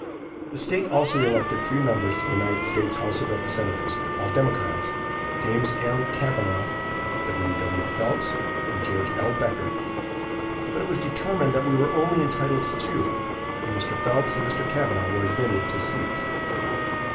The state also elected three members to the United States house of representatives, all Democrats, James M. Cavanaugh, W. W. Phelps and George L. Becker, but it was determined that we were only entitled to two, and Mr. Phelps and Mr. Cavanaugh were admitted to seats.